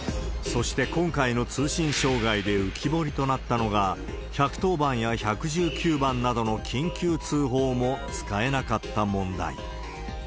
そして今回の通信障害で浮き彫りとなったのが、１１０番や１１９番などの緊急通報も使えなかった問題。